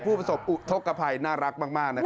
ผู้ประสบอุทธกภัยน่ารักมาก